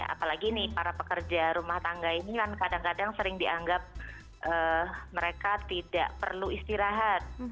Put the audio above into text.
apalagi nih para pekerja rumah tangga ini kan kadang kadang sering dianggap mereka tidak perlu istirahat